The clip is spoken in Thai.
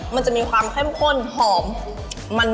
มันจะมีความเข้มข้นหอม